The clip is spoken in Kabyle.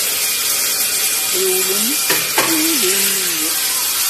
Rewlen, wwin idrimen-nni.